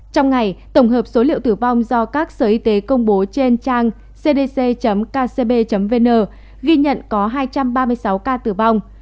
trong ngày tổng hợp số liệu tử vong do các sở y tế công bố trên trang cdc kcb vn ghi nhận có hai trăm ba mươi sáu ca tử vong